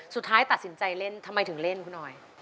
สุดท้ายตัดสินใจเล่นทำไมถึงเล่นคุณออย